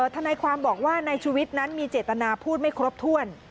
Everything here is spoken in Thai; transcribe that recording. ทนายความบอกว่านายชุวิตนั้นมีเจตนาพูดไม่ครบถ้วน